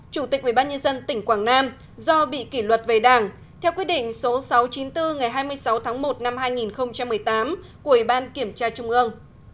chủ tịch ubnd tỉnh quảng nam do bị kỷ luật về đảng theo quyết định số sáu trăm chín mươi bốn ngày hai mươi sáu tháng một năm hai nghìn một mươi tám của ủy ban kiểm tra trung ương